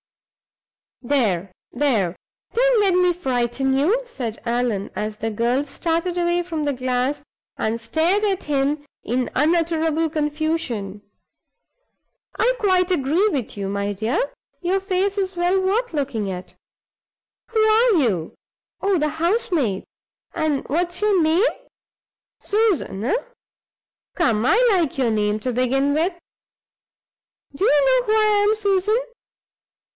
"There! there! don't let me frighten you," said Allan, as the girl started away from the glass, and stared at him in unutterable confusion. "I quite agree with you, my dear; your face is well worth looking at. Who are you? Oh, the housemaid. And what's your name? Susan, eh? Come! I like your name, to begin with. Do you know who I am, Susan?